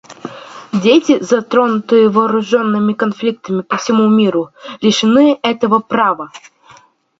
Дети, затронутые вооруженными конфликтами по всему миру, лишены этого права.